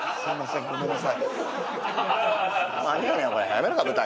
やめるか舞台。